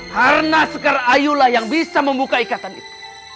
karena sekar ayu lah yang bisa membuka ikatan itu